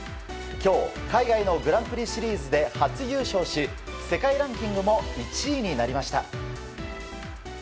今日海外のグランプリシリーズで初優勝し、世界ランキングも１位になりました。